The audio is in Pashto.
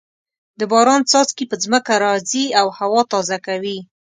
د باران څاڅکي په ځمکه راځې او هوا تازه کوي.